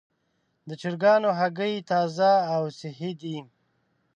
د چرګانو هګۍ تازه او صحي دي.